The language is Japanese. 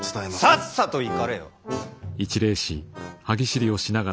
さっさと行かれよ！